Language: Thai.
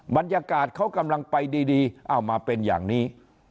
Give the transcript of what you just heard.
บรรยากาศเขากำลังไปดีเอามาเป็นอย่างนี้